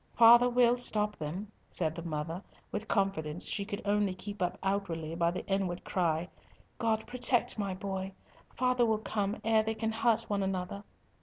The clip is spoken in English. Father will stop them," said the mother, with confidence she could only keep up outwardly by the inward cry, "God protect my boy. Father will come ere they can hurt one another."